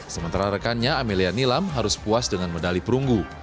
sementara rekannya amelia nilam harus puas dengan medali perunggu